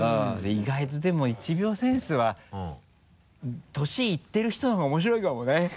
意外とでも「１秒センス」は年いってる人の方が面白いかもね。